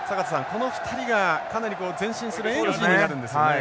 この２人がかなり前進するエンジンになるんですよね。